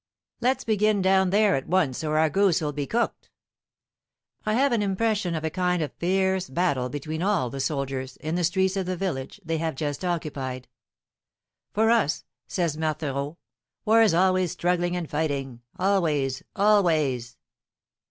"Let's begin down there at once, or our goose'll be cooked!" I have an impression of a kind of fierce battle between all the soldiers, in the streets of the village they have just occupied. "For us," says Marthereau, "war is always struggling and fighting always, always."